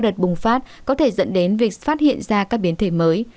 các biến thể bùng phát có thể dẫn đến việc phát hiện ra các biến thể mới